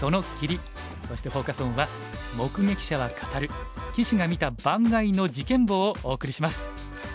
そしてフォーカス・オンは「目撃者は語る棋士が見た盤外の事件簿」をお送りします。